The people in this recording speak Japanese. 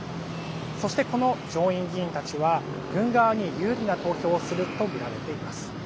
そして、この上院議員たちは軍側に有利な投票をするとみられています。